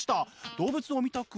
「動物を見たくなる」